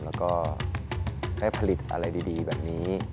แล้วก็ได้ผลิตอะไรดีแบบนี้